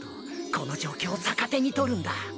この状況を逆手にとるんだ。